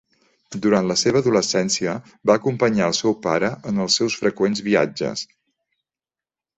Durant la seva adolescència va acompanyar el seu pare en els seus freqüents viatges.